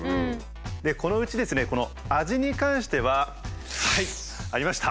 でこのうちですねこの味に関してははいありました！